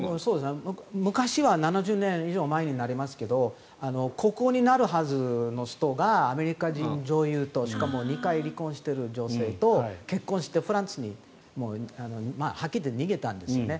昔は７０年以上前になりますが国王になるはずの人がアメリカ人女優としかも２回離婚してる女性と結婚してフランスにはっきり言って逃げたんですね。